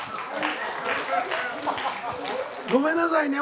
ごめんなさいね。